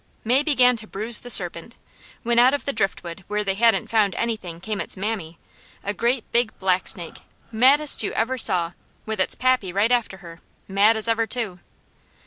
May began to bruise the serpent, when out of the driftwood where they hadn't found anything came its mammy, a great big blacksnake, maddest you ever saw, with its pappy right after her, mad as ever too.